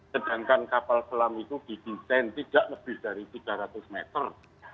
sedangkan kapal selam itu didesain tidak lebih dari tiga ratus meter